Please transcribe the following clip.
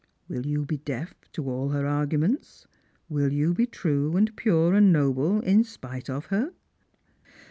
Will you be deaf to all her arguments? Will you be true and pure and noble in spite of her